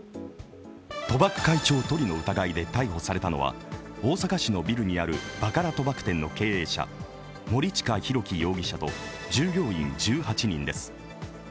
賭博開帳図利の疑いで逮捕されたのは大阪市のビルにあるバカラ賭博店の経営者、森近浩城容疑者と従業員１８人です。